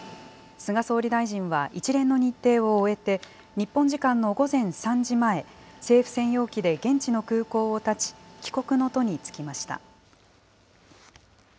菅総理大臣は一連の日程を終えて、日本時間の午前３時前、政府専用機で現地の空港をたち、帰国の途に就きました。